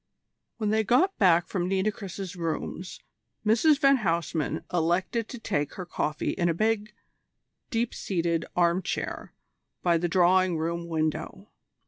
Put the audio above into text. When they got back from Nitocris's rooms Mrs van Huysman elected to take her coffee in a big, deep seated armchair by the drawing room window.